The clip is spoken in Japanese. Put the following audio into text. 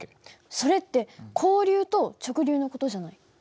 それって交流と直流の事じゃない？